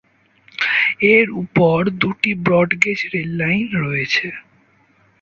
এর উপর দুটি ব্রড-গেজ রেললাইন রয়েছে।